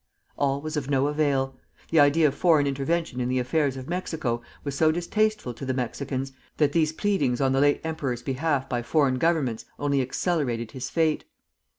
All was of no avail. The idea of foreign intervention in the affairs of Mexico was so distasteful to the Mexicans that these pleadings on the late emperor's behalf by foreign Governments only accelerated his fate.